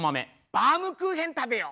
バウムクーヘン食べよう。